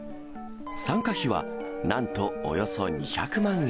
参加費は、なんとおよそ２００万円。